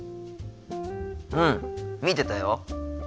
うん見てたよ。